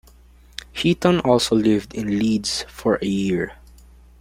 Heaton also lived in Leeds for a year.